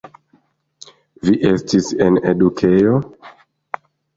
Vi estis en edukejo?